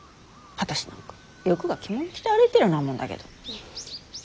私なんか欲が着物着て歩いてるようなもんだけど。